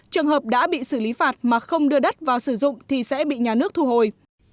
trường hợp đã bị xử lý phạt mà không đưa đất vào sử dụng thì sẽ bị nhà nước thu hồi